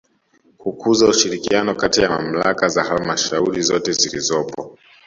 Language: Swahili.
Kukuza ushirikiano kati ya Mamlaka za Halmashauri zote zilizopo